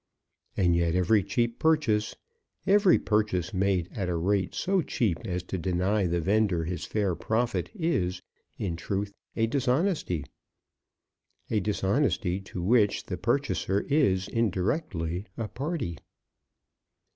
And yet every cheap purchase, every purchase made at a rate so cheap as to deny the vendor his fair profit is, in truth, a dishonesty; a dishonesty to which the purchaser is indirectly a party.